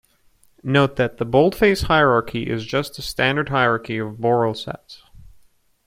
Note that the boldface hierarchy is just the standard hierarchy of Borel sets.